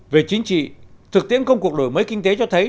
về chính trị thực tiễn công cuộc đổi mới kinh tế cho thấy